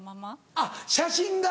あっ写真が？